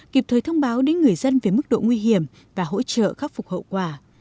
kịp thời thông báo đến người dân về mức độ nguy hiểm và hỗ trợ khắc phục hậu quả